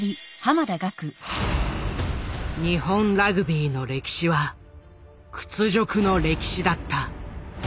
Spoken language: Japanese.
日本ラグビーの歴史は屈辱の歴史だった。